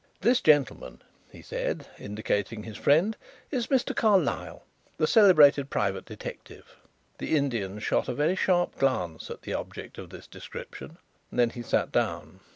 "This gentleman," he said, indicating his friend, "is Mr. Carlyle, the celebrated private detective." The Indian shot a very sharp glance at the object of this description. Then he sat down.